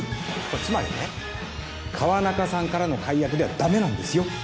つまりね川中さんからの解約ではダメなんですよ